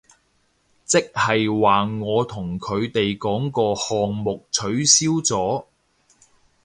即係話我同佢哋講個項目取消咗